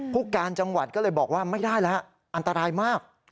ผู้การจังหวัดก็เลยบอกว่าไม่ได้แล้วอันตรายมาก